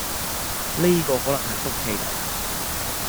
呢個可能係福氣嚟